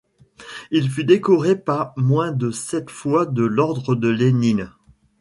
Il fut décoré pas moins de sept fois de l'Ordre de Lénine.